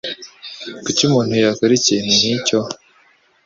Kuki umuntu yakora ikintu nkicyo?